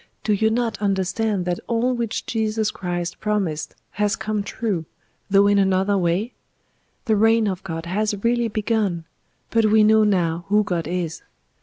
Do you not understand that all which Jesus Christ promised has come true, though in another way? The reign of God has really begun; but we know now who God is.